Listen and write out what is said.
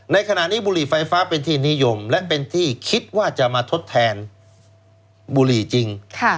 ในขณะนี้บุหรี่ไฟฟ้าเป็นที่นิยมและเป็นที่คิดว่าจะมาทดแทนบุหรี่จริง